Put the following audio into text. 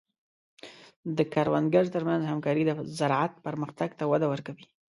د کروندګرو تر منځ همکاري د زراعت پرمختګ ته وده ورکوي.